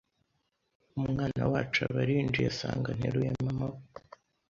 umwana wacu aba arinjiye asanga nteruye mama we